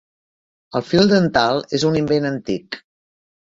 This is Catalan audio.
El fil dental és un invent antic.